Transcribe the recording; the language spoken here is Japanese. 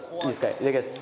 いただきます。